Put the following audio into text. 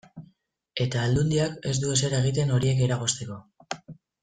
Eta Aldundiak ez du ezer egiten horiek eragozteko.